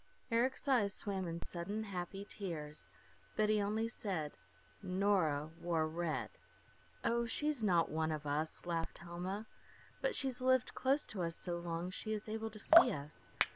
Eric's eyes swam in sudden, happy tears, but he only said, "Nora wore red." "Oh, she's not one of us," laughed Helma. "But she's lived close to us so long, she is able to see us.